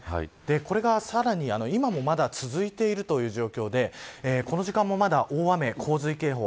これがさらに今もまだ続いているという状況でこの時間もまだ大雨洪水警報